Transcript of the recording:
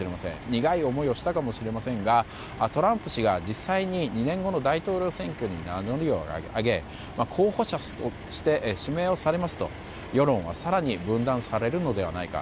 苦い思いをしたかもしれませんがトランプ氏が実際に２年後の大統領選挙に名乗りを上げ候補者として指名をされますと世論は更に分断されるのではないか。